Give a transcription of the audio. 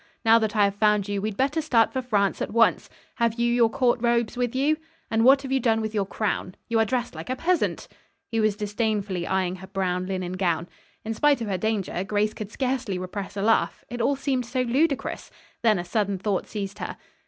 Now that I have found you, we'd better start for France at once. Have you your court robes with you? And what have you done with your crown? You are dressed like a peasant." He was disdainfully eyeing her brown, linen gown. In spite of her danger, Grace could scarcely repress a laugh. It all seemed so ludicrous. Then a sudden thought seized her.